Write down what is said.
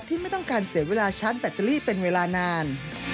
ไม่ต้องการเสียเวลาชาร์จแบตเตอรี่เป็นเวลานาน